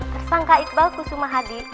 tersangka iqbal kusuma hadi